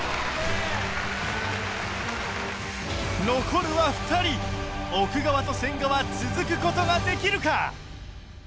見事残るは２人奥川と千賀は続く事ができるか！？